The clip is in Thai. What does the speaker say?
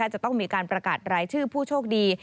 จะต้องมีการประกาศรายชื่อผู้โชคดี